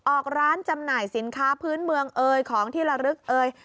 ออกร้านจำหน่ายสินค้าพื้นเมืองเอยของที่ละลึกเอ่ย